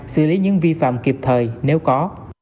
xử lý những vi phạm kịp thời nếu có